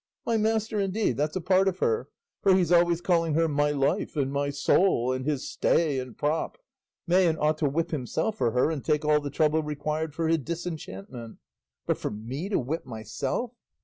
My master, indeed, that's a part of her for, he's always calling her 'my life' and 'my soul,' and his stay and prop may and ought to whip himself for her and take all the trouble required for her disenchantment. But for me to whip myself!